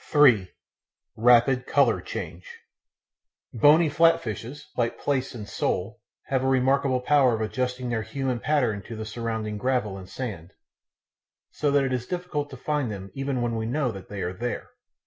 § 3 Rapid Colour change Bony flat fishes, like plaice and sole, have a remarkable power of adjusting their hue and pattern to the surrounding gravel and sand, so that it is difficult to find them even when we know that they are there.